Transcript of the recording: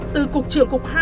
từ cục trưởng cục hai